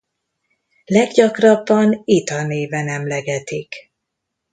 Leggyakrabban Itha néven emlegetik.